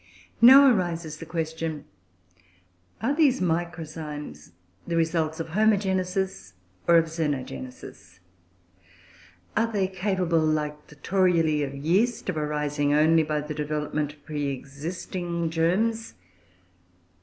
Now arises the question, are these microzymes the results of Homogenesis, or of Xenogenesis? are they capable, like the Toruloe of yeast, of arising only by the development of pre existing germs?